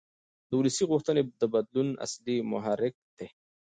د ولس غوښتنې د بدلون اصلي محرک دي